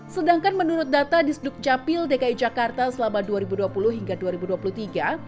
sedangkan menurut data di sdukcapil dki jakarta selama dua ribu dua puluh hingga dua ribu dua puluh tiga